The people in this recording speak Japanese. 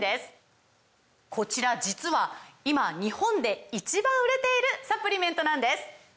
こちら実は今日本で１番売れているサプリメントなんです！